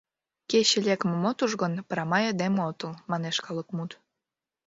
«Кече лекмым от уж гын, прамай айдеме отыл», — манеш калык мут.